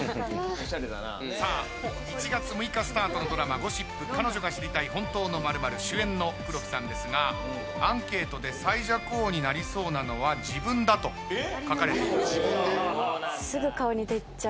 さあ１月６日スタートのドラマ『ゴシップ＃彼女が知りたい本当の○○』主演の黒木さんですがアンケートで最弱王になりそうなのは自分だと書かれていました。